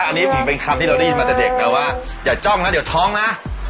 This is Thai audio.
อันนี้ผมเป็นคำที่เราได้ยินมาแต่เด็กนะว่าอย่าจ้องนะเดี๋ยวท้องนะ